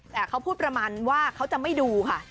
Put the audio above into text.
แต่เขาพูดประมาณว่าเขาจะไม่ดูค่ะ